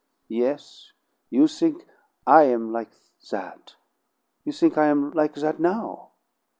Yes, you think I am like that. You think I am like that now!"